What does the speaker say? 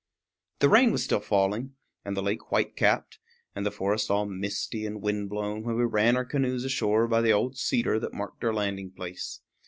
The rain was still falling, and the lake white capped, and the forest all misty and wind blown when we ran our canoes ashore by the old cedar that marked our landing place.